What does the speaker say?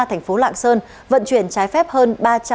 thành phố lạng sơn vận chuyển trái phép hơn